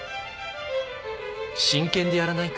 真剣でやらないか？